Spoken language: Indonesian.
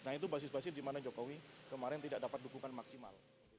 nah itu basis basis di mana jokowi kemarin tidak dapat dukungan maksimal